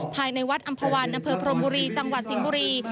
ภายในวัดอำภาวันอำเภอพรมบุรีจังหวัดสิงห์บุรี